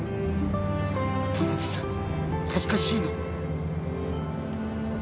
ただでさえ恥ずかしいのに。